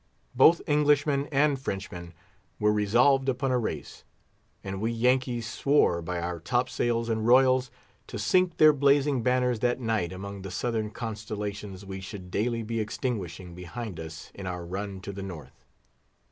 Both Englishmen and Frenchmen were resolved upon a race; and we Yankees swore by our top sails and royals to sink their blazing banners that night among the Southern constellations we should daily be extinguishing behind us in our run to the North.